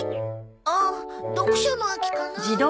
あっ読書の秋かな。